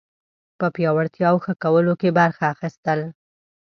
په پیاوړتیا او ښه کولو کې برخه اخیستل